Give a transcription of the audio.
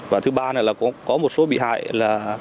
và thứ ba là có một số bị hại là